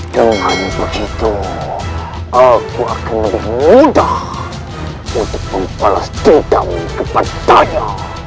dengan hanya begitu aku akan lebih mudah untuk membalas dendam kepadanya